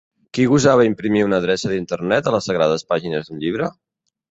Qui gosava imprimir una adreça d'internet a les sagrades pàgines d'un llibre?